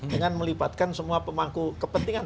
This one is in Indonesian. dengan melibatkan semua pemangku kepentingan